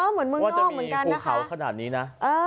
เหมือนมือนอกเหมือนกันนะคะ